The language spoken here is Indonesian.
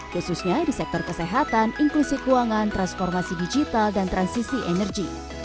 khususnya di sektor kesehatan inklusi keuangan transformasi digital dan transisi energi